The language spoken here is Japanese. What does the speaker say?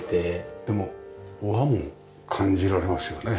でも和も感じられますよね。